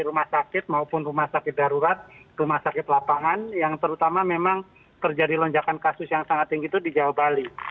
rumah sakit maupun rumah sakit darurat rumah sakit lapangan yang terutama memang terjadi lonjakan kasus yang sangat tinggi itu di jawa bali